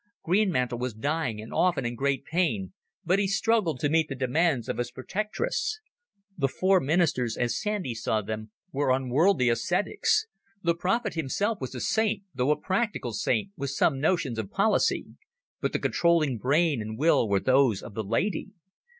Greenmantle was dying and often in great pain, but he struggled to meet the demands of his protectress. The four Ministers, as Sandy saw them, were unworldly ascetics; the prophet himself was a saint, though a practical saint with some notions of policy; but the controlling brain and will were those of the lady.